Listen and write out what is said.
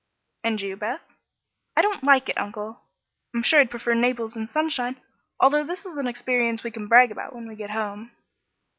"And you, Beth?" "I don't like it, Uncle. I'm sure I'd prefer Naples in sunshine, although this is an experience we can brag about when we get home."